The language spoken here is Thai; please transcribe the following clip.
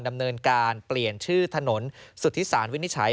ดำเนินการเปลี่ยนชื่อถนนสุธิสารวินิจฉัย